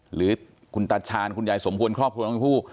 หรือคุณตาชาญคุณยายสมควรครอบครัวน้องชมพู่